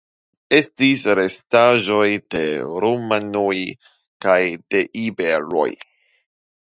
Estis restaĵoj de romianoj kaj de iberoj.